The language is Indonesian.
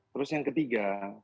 terus yang ketiga